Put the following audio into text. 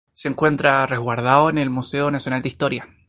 Se encuentra resguardado en el Museo Nacional de Historia.